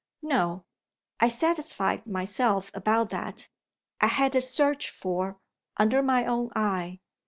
"No. I satisfied myself about that I had it searched for, under my own eye.